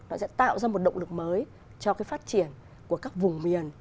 nó sẽ tạo ra một động lực mới cho cái phát triển của các vùng miền